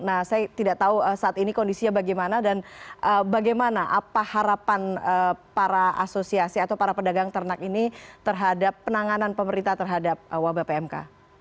nah saya tidak tahu saat ini kondisinya bagaimana dan bagaimana apa harapan para asosiasi atau para pedagang ternak ini terhadap penanganan pemerintah terhadap wabah pmk